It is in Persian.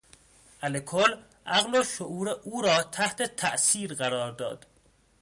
الکل عقل و شعور او را تحت تاثیر قرار داد.